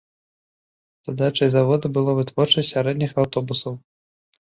Задачай завода было вытворчасць сярэдніх аўтобусаў.